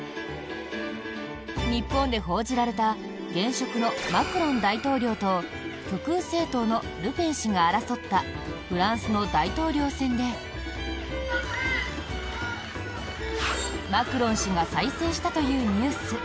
日本で報じられた現職のマクロン大統領と極右政党のルペン氏が争ったフランスの大統領選でマクロン氏が再選したというニュース。